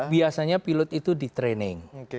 biasanya pilot itu di training